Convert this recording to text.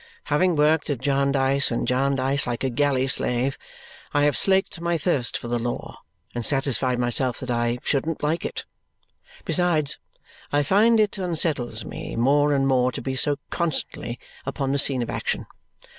Having worked at Jarndyce and Jarndyce like a galley slave, I have slaked my thirst for the law and satisfied myself that I shouldn't like it. Besides, I find it unsettles me more and more to be so constantly upon the scene of action.